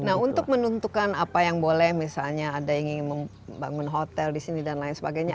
nah untuk menentukan apa yang boleh misalnya ada yang ingin membangun hotel di sini dan lain sebagainya